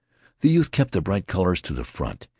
The youth kept the bright colors to the front.